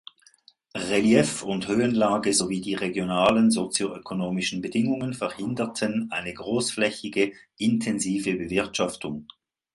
Relief und Höhenlage sowie die regionalen sozioökonomischen Bedingungen verhinderten eine großflächige intensive Bewirtschaftung.